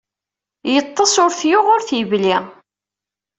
Yeṭṭes ur t-yuɣ ur t-yebli.